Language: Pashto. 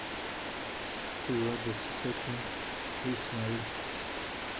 په یوه دسیسه کې د اسمعیل